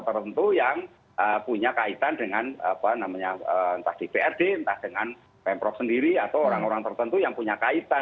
ya tertentu ada tokoh tokoh tertentu yang punya kaitan dengan entah di dprd entah dengan pemprov sendiri atau orang orang tertentu yang punya kaitan